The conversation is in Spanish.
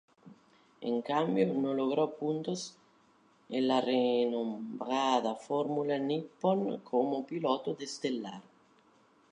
En cambio, no logró puntos en la renombrada Fórmula Nippon como piloto de Stellar.